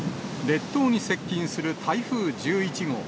列島に接近する台風１１号。